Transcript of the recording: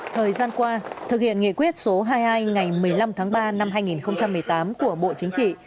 thời gian qua thực hiện nghị quyết số hai mươi hai ngày một mươi năm tháng ba năm hai nghìn một mươi tám của bộ chính trị